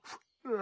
あ！